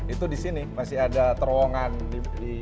itu di sini masih ada terowongan di